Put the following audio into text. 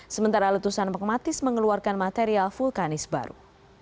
sementara letusan magmatis mengeluarkan material vulkanis baru